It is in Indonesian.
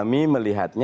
kita sudah melihatnya